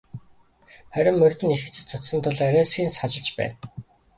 Харин морьд нь их эцэж цуцсан тул арайхийн сажилж байна.